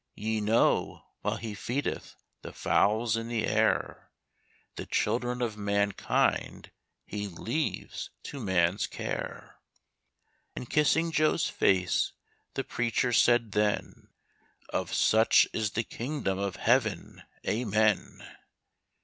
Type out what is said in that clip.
Ye know, while He feedeth the fowls in the air. The children of mankind He leaves to man's care;" And kissing Joe's face the preacher said then; "Of such is the kingdom of Heaven. Amen!"